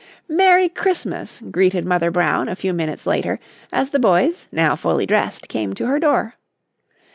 "Merry Christmas," greeted Mother Brown, a few minutes later, as the boys, now fully dressed, came to her door.